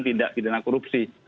tidak tidak tidak korupsi